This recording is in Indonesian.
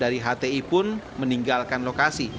dari hti pun meninggalkan lokasi